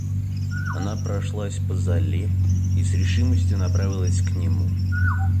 Она прошлась по зале и с решимостью направилась к нему.